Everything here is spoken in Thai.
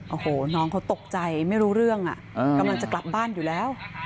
โอ้โหน้องเขาตกใจไม่รู้เรื่องกำลังจะกลับบ้านอยู่แล้ว